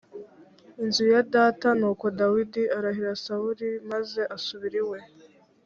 inzu ya data nuko dawidi arahira sawuli maze asubira iwe